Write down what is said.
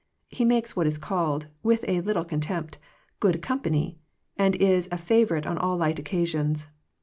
He makes what is called, with a little contempt, good company, and is a favorite on all light occasions.